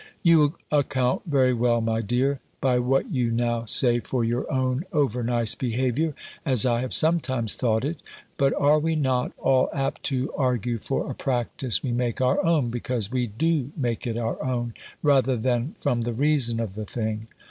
"You account very well, my dear, by what you now say for your own over nice behaviour, as I have sometimes thought it. But are we not all apt to argue for a practice we make our own, because we do make it our own, rather than from the reason of the thing?"